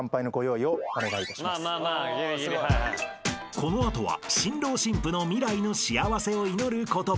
［この後は新郎新婦の未来の幸せを祈る言葉］